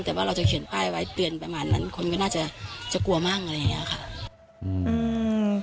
แต่ว่าเราจะเขียนป้ายไว้เตือนประมาณนั้นคนก็น่าจะจะกลัวมั่งอะไรอย่างเงี้ยค่ะอืม